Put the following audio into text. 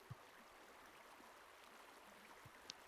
Kulgu darg‘asi